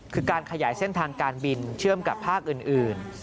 คือการขยายเส้นทางการบินเชื่อมกับภาคอื่น